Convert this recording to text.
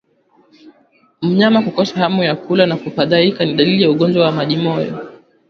Mnyama kukosa hamu ya kula na kufadhaika ni dalili ya ugonjwa wa majimoyo